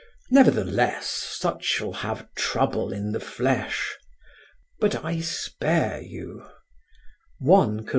Nevertheless such shall have trouble in the flesh: but I spare you" (I Cor.